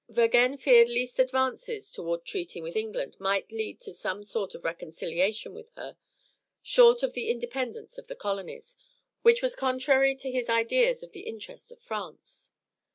Vergennes feared least advances toward treating with England might lead to some sort of reconciliation with her, short of the independence of the colonies, which was contrary to his ideas of the interest of France.